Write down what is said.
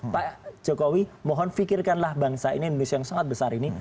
pak jokowi mohon pikirkanlah bangsa ini indonesia yang sangat besar ini